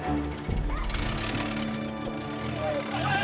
eh mau kemana